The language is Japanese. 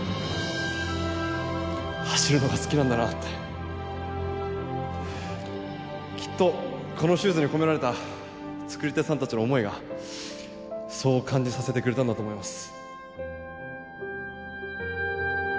走るのが好きなんだなってきっとこのシューズに込められた作り手さんたちの思いがそう感じさせてくれたんだと思います